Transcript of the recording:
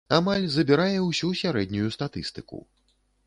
Амаль забірае ўсю сярэднюю статыстыку.